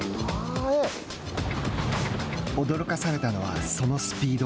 驚かされたのは、そのスピード。